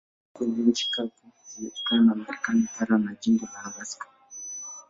Kwenye nchi kavu imepakana na Marekani bara na jimbo la Alaska.